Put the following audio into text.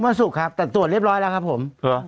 เมื่อสุขครับแต่ตรวจเรียบร้อยแล้วครับผม